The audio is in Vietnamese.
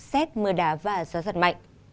xét mưa đá và gió giật mạnh